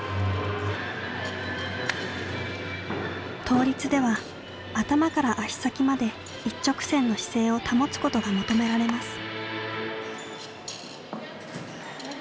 倒立では頭から足先まで一直線の姿勢を保つことが求められます。